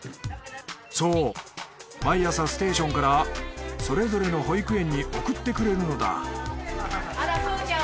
そう毎朝ステーションからそれぞれの保育園に送ってくれるのだあらそうちゃん